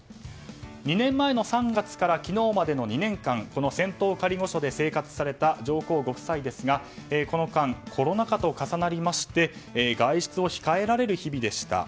２年前の３月から昨日までの２年間この仙洞仮御所で生活された上皇ご夫妻ですがこの間、コロナ禍と重なりまして外出を控えられる日々でした。